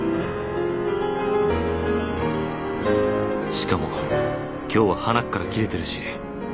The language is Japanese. しかも今日はハナっからきれてるし。